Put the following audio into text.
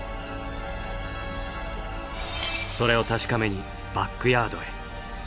それを確かめにバックヤードへ。